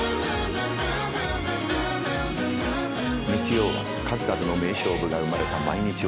日曜は数々の名勝負が生まれた毎日王冠。